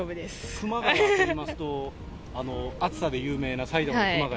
熊谷といいますと、暑さで有名な埼玉の熊谷。